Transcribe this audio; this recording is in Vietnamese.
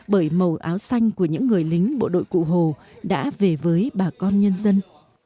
bởi màu áo xanh của những người lính bộ đội cụ hồ đã về với bà con nhân dân